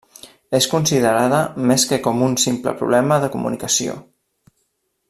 És considerada més que com un simple problema de comunicació.